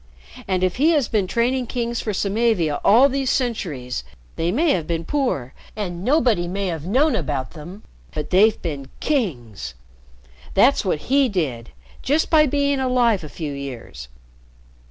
And if he has been training kings for Samavia all these centuries they may have been poor and nobody may have known about them, but they've been kings. That's what he did just by being alive a few years.